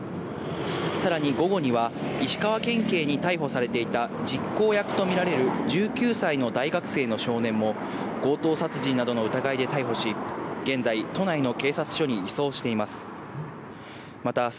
さらに午後には、石川県警に逮捕されていた実行役と見られる１９歳の大学生の少年も、強盗殺人などの疑いで逮捕し、現在、都内の警察署に移送しています。